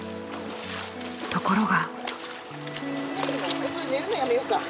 ところが。